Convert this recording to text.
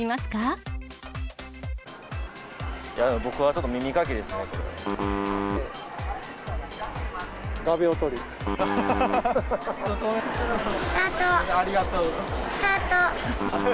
僕はちょっと、耳かきですね、これ。